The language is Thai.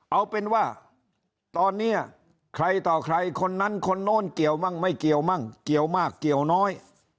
เอาเป็นว่าตอนนี้ใครต่อใครคนนั้นคนโน้นเกี่ยวมั่งไม่เกี่ยวมั่งเกี่ยวมากเกี่ยวน้อย